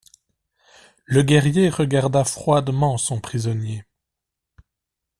Le guerrier regarda froidement son prisonnier.